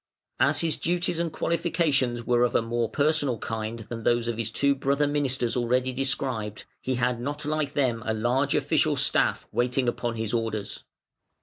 As his duties and qualifications were of a more personal kind than those of his two brother ministers already described, he had not like them a large official staff waiting upon his orders.